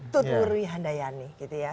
tut nuri handayani gitu ya